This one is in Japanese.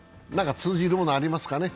通ずるものありますか？